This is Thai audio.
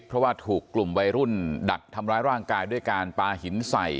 เพราะว่าถูกกลุ่มวัยรุ่นดักทำร้ายร่างกายด้วยการปลาหินใส่